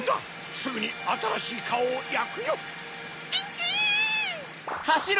・・すぐにあたらしいカオをやくよ・・アンアン！